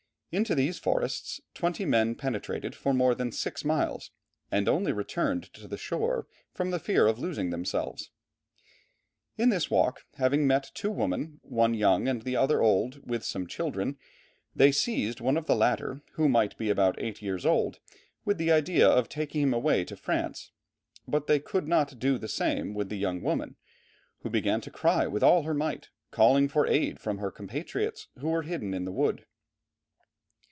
Into these forests, twenty men penetrated for more than six miles and only returned to the shore from the fear of losing themselves. In this walk, having met two women, one young and the other old, with some children, they seized one of the latter who might be about eight years old, with the idea of taking him away to France; but they could not do the same with the young woman, who began to cry with all her might, calling for aid from her compatriots, who were hidden in the wood.